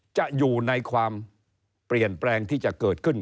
จะอยู่ในความเปลี่ยนแปลงที่จะเกิดขึ้น